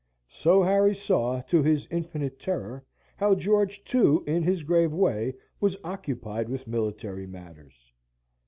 So Harry saw, to his infinite terror, how George, too, in his grave way, was occupied with military matters.